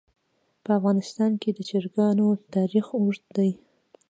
په افغانستان کې د چرګانو تاریخ اوږد دی.